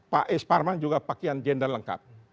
pak s parman juga pakaian jenderal lengkap